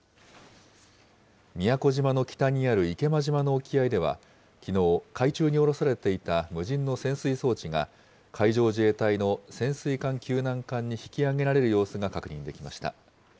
宮古島の北にある池間島の沖合では、きのう、海中に下ろされていた無人の潜水装置が、海上自衛隊の潜水艦救難艦に引き揚げられる様子が確認できました。